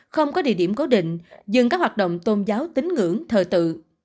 không có địa điểm cố định dừng các hoạt động tôn giáo tính ngưỡng thờ tự